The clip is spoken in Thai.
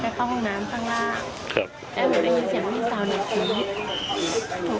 เข้าห้องน้ำข้างล่างครับแล้วหนูได้ยินเสียงพี่สาวหนู